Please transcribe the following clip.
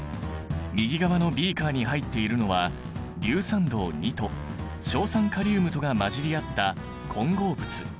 右側のビーカーに入っているのは硫酸銅と硝酸カリウムとが混じり合った混合物。